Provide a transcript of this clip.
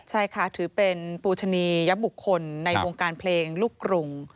ใช่ค่ะถือเป็นปูชนียบุคคลในวงการเพลงลูกกรุง